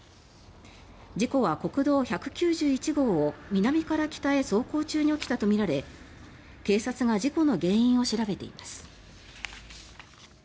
事故は、国道１９１号を南から北へ走行中に起きたとみられ警察が事故の原因を調べています。